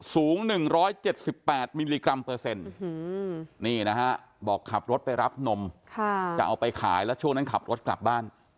สูง๑๗๘มิลลิกรัมเปอร์เซ็นต์นี่นะฮะบอกขับรถไปรับนมจะเอาไปขายแล้วช่วงนั้นขับรถกลับบ้าน